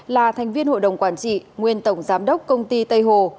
là thành viên hội đồng quản trị nguyên tổng giám đốc công ty tây hồ